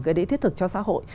cái để thiết thực cho xã hội